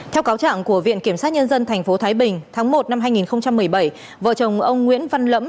theo cáo trạng của viện kiểm sát nhân dân tp thái bình tháng một năm hai nghìn một mươi bảy vợ chồng ông nguyễn văn lẫm